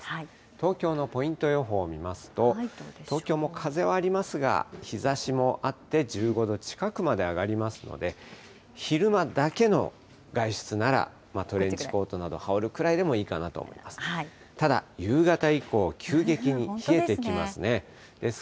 東京のポイント予報見ますと、東京も風はありますが、日ざしもあって、１５度近くまで上がりますので、昼間だけの外出なら、トレンチコートなど羽織るくらいでもいいかなと思います。